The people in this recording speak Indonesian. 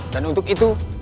dan untuk itu